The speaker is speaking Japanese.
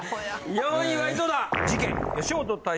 ４位は井戸田。